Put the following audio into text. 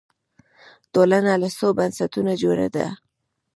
ټولنه له څو بنسټونو جوړه ده